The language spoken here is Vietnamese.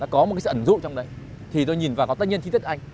có một cái sự ẩn dụ trong đấy thì tôi nhìn vào có tất nhiên chi tiết ảnh